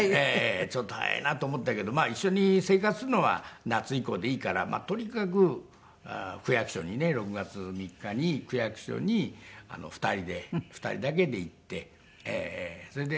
ちょっと早いなと思ったけど一緒に生活するのは夏以降でいいからとにかく区役所にね６月３日に区役所に２人で２人だけで行ってそれで。